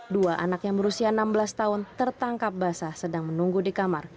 dua anak yang berusia enam belas tahun tertangkap basah sedang menunggu di kamar